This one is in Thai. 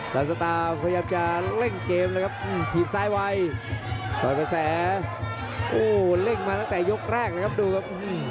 หลังสตาร์พยายามจะเร่งเกมเลยครับถีบซ้ายไว้ต่อยกระแสโอ้โหเร่งมาตั้งแต่ยกแรกเลยครับดูครับ